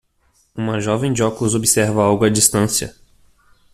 Uma jovem de óculos observa algo à distância.